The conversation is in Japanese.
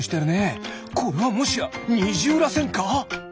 これはもしやにじゅうらせんか！？